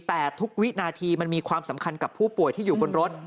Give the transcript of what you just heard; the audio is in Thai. แต่ทุกวินาทีมันมีความสำคัญกับผู้ป่วยที่อยู่บนรถ